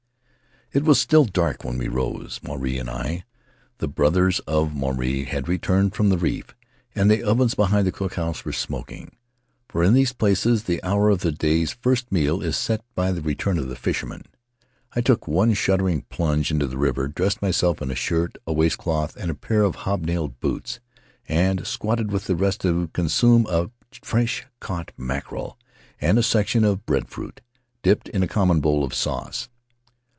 It was still dark when we rose — Maruae and I; the brothers of Maruae had returned from the reef, and the ovens behind the cook house were smoking, for in these places the hour of the day's first meal is set by the return of the fishermen. I took one shuddering plunge into the river, dressed myself in a shirt, a waistcloth, and a pair of hobnailed boots, and squatted with the rest to consume a fresh caught mackerel and a section of breadfruit, dipped in the common bowl of sauce.